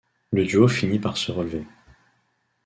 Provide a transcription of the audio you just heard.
Le duo finit par se relever.